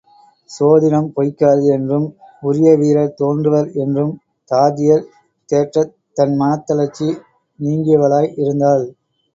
சோதிடம் பொய்க்காது என்றும், உரிய வீரர் தோன்றுவர் என்றும் தாதியர் தேற்றத் தன் மனத் தளர்ச்சி நீங்கியவளாய் இருந்தாள்.